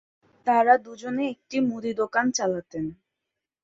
তারা দুজনে একটি মুদি দোকান চালাতেন।